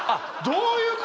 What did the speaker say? どういう事！？